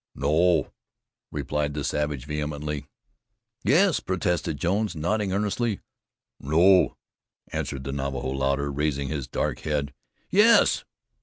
"No," replied the savage vehemently. "Yes," protested Jones, nodding earnestly. "No," answered the Navajo, louder, raising his dark head. "Yes!"